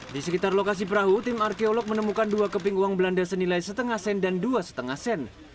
di sekitar lokasi perahu tim arkeolog menemukan dua keping uang belanda senilai setengah sen dan dua lima sen